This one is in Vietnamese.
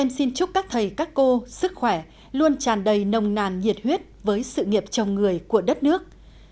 em xin chúc các thầy các cô sức khỏe luôn tràn đầy nồng nàn nhiệt huyết với sự nghiệp chồng người của đất nước